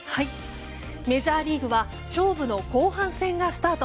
メジャーリーグは勝負の後半戦がスタート。